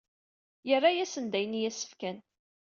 Yerra-asen-d ayen i as-fkan.